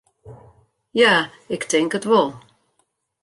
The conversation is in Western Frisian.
Ja, ik tink it wol.